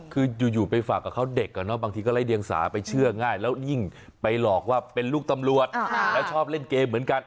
คืออยู่ไปฝากกับเขาเด็กบางทีก็ไล่เดียงสาไปเชื่อง่ายแล้วยิ่งไปหลอกว่าเป็นลูกตำรวจแล้วชอบเล่นเกมเหมือนกัน